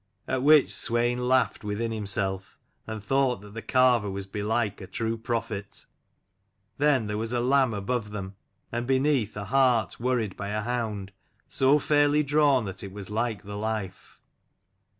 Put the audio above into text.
At which Swein laughed within himself, and thought that the carver was belike a true prophet. Then there was a lamb above them, and beneath, a hart worried by a hound, so fairly drawn that it was like the life.